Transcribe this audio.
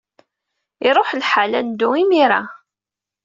Iṛuḥ lḥal. Ad neddu imir-a.